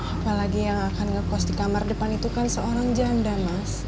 apalagi yang akan ngekos di kamar depan itu kan seorang janda mas